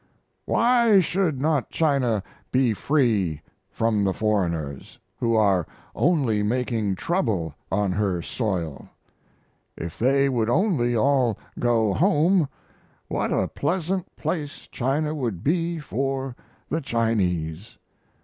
Why should not China be free from the foreigners, who are only making trouble on her soil? If they would only all go home what a pleasant place China would be for the Chinese!